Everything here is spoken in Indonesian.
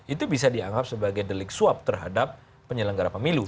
itu bisa dianggap sebagai delik suap terhadap penyelenggara pemilu